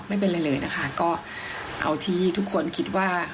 ไม่เป็นไรเลยนะคะก็เอาที่ทุกคนคิดว่า